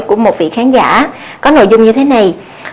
của một vị khán giả có nội dung như thế này